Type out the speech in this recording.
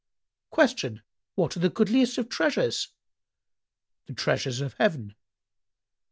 Q "What are the goodliest of treasures?"—"The treasures of heaven."